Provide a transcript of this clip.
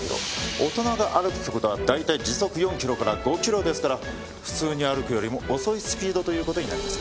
大人が歩く速度は大体時速４キロから５キロですから普通に歩くよりも遅いスピードという事になります。